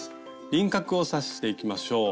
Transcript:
輪郭を刺していきましょう。